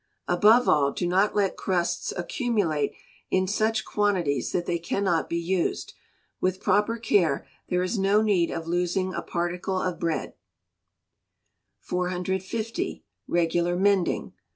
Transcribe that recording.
Above all, do not let crusts accumulate in such quantities that they cannot be used. With proper care, there is no need of losing a particle of bread. 450. Regular Mending.